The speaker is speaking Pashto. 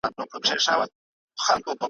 ګیدړ وویل اوبه مي دي میندلي ,